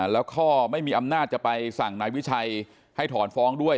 แล้วก็ไม่มีอำนาจจะไปสั่งนายวิชัยให้ถอนฟ้องด้วย